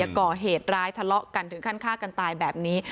ก่อเหตุร้ายทะเลาะกันถึงขั้นฆ่ากันตายแบบนี้